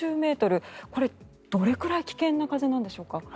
これ、どれくらい危険な風なんでしょうか。